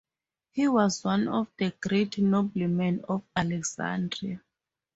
He was one of the great noblemen of Alexandria.